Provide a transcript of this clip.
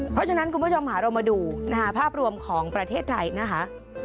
เพราะฉะนั้นคุณผู้ชมค่ะเรามาดูนะคะภาพรวมของประเทศไทยนะคะ